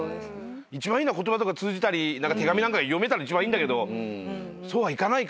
一番いいのは言葉とか通じたり手紙なんか読めたら一番いいんだけどそうはいかないから。